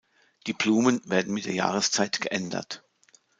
Die Blumen werden mit der Jahreszeit geändert.